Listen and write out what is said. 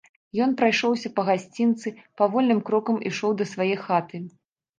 Ён прайшоўся па гасцінцы, павольным крокам ішоў да свае хаты.